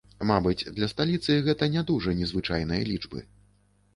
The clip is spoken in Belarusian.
Мабыць, для сталіцы гэта не дужа незвычайныя лічбы.